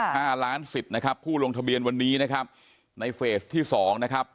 ห้าล้านสิทธิ์นะครับผู้ลงทะเบียนวันนี้นะครับในเฟสที่สองนะครับ